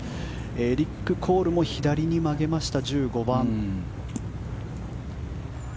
エリック・コールも左に曲げました、１５番。